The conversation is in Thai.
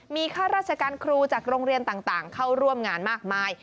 มีข้าราชการครูจากโรงเรียนต่างเข้าร่วมงานมากมาย